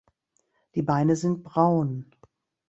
Die Beine sind braun.